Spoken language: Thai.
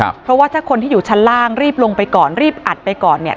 เพราะว่าถ้าคนที่อยู่ชั้นล่างรีบลงไปก่อนรีบอัดไปก่อนเนี่ย